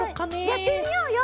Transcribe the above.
やってみようよ！